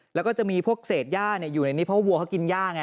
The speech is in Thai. แล้วก็จะมีพวกเศษย่าอยู่ในนี้เพราะว่าวัวเขากินย่าไง